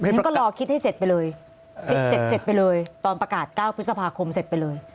นี่ก็รอคิดให้เสร็จไปเลย๑๗เสร็จไปเลยตอนประกาศ๙พฤษภาคมเสร็จไปเลย